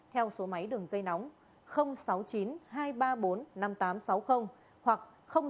theo số máy đường dây nóng sáu mươi chín hai trăm ba mươi bốn năm nghìn tám trăm sáu mươi hoặc sáu mươi chín hai trăm ba mươi hai một nghìn sáu trăm